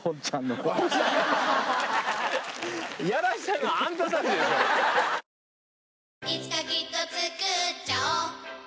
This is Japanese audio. いつかきっとつくっちゃおう